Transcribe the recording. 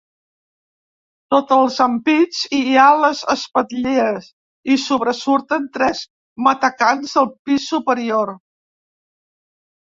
Sota els ampits hi ha les espitlleres i sobresurten tres matacans del pis superior.